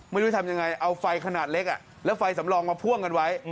ไม่รู้ทำยังไงเอาไฟขนาดเล็กแล้วไฟสำรองมาพ่วงกันไว้